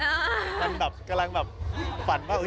มันแบบกำลังแบบฝันว่า